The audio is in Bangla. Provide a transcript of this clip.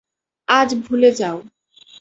আজ ভুলে যাও।